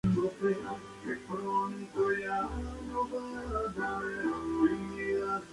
Esta solución parece viable y óptima hasta que los sistemas empiezan a fallar.